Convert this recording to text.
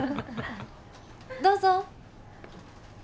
どうぞ。